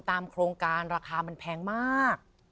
โครงการราคามันแพงมาก